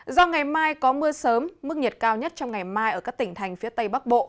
do ngày mai có mưa sớm mức nhiệt cao nhất trong ngày mai ở các tỉnh thành phía tây bắc bộ